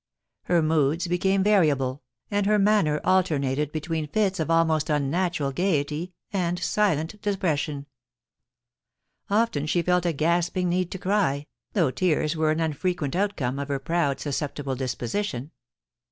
Her moods became variable, 'and her manner alternated between fits of almost unnatural gaiety and silent depression. Often she felt a gasping need to cry, though tears were an unfrequent outcome of her proud, susceptible disposition.